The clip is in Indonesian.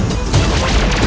aku tidak mau